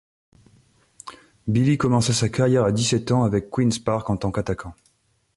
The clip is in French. Billy commença sa carrière à dix-sept ans avec Queen's Park en tant qu'attaquant.